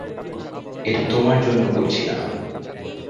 এটা তোমার জন্য করছি না।